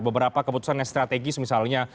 beberapa keputusan yang strategis misalnya